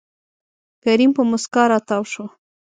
کريم په موسکا راتاو شو.